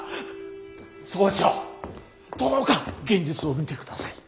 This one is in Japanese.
総長どうか現実を見てください！